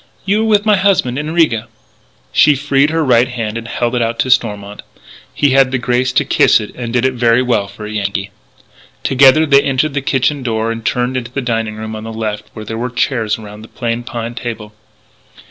"You were with my husband in Riga." She freed her right hand and held it out to Stormont. He had the grace to kiss it and did it very well for a Yankee. Together they entered the kitchen door and turned into the dining room on the left, where were chairs around the plain pine table.